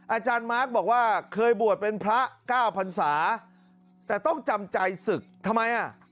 อาจารย์มาร์คบอกว่าเคยบวชเป็นพระเก้าพันศาแต่ต้องจำใจศึกทำไมอ่ะ